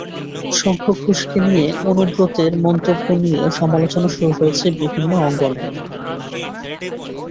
শঙ্খ ঘোষকে নিয়ে অনুব্রতের মন্তব্য নিয়ে সমালোচনা শুরু হয়েছে বিভিন্ন অঙ্গনে।